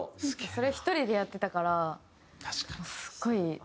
それ１人でやってたからすごい大変で。